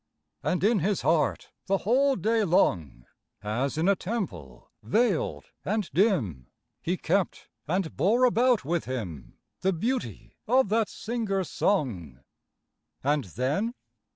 And in his heart the whole day long, As in a temple veiled and dim, He kept and bore about with him The beauty of that singer's song. And then?